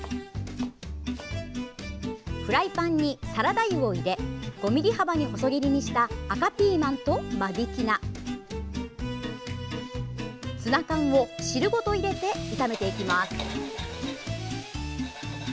フライパンにサラダ油を入れ５ｍｍ幅に細切りにした赤ピーマンと間引き菜ツナ缶を汁ごと入れて炒めていきます。